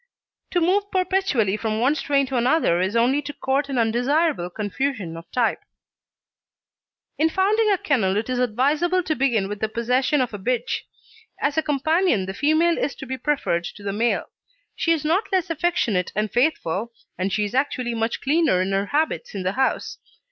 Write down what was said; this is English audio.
To move perpetually from one strain to another is only to court an undesirable confusion of type. In founding a kennel it is advisable to begin with the possession of a bitch. As a companion the female is to be preferred to the male; she is not less affectionate and faithful, and she is usually much cleaner in her habits in the house.